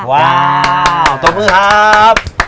ว้าว